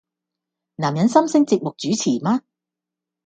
男人心聲節目主持嗎？